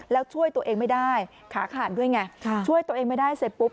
แล้วช่วยตัวเองไม่ได้ขาขาดด้วยไงช่วยตัวเองไม่ได้เสร็จปุ๊บ